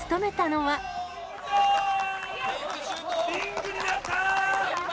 リングになった。